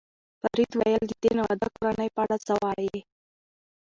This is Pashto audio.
فرید وویل: د دې ناواده کورنۍ په اړه څه وایې؟